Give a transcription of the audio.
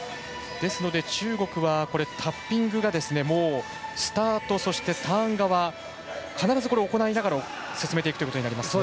ですので中国はタッピングがもうスタート、そしてターン側必ず行いながら進めていくことになります。